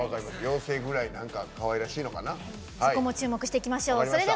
妖精くらいかわいらしいのかな。